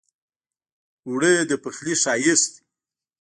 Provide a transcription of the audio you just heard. اوړه د پخلي ښايست دی